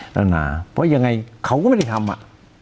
หนาเพราะยังไงเขาก็ไม่ได้ทำอ่ะ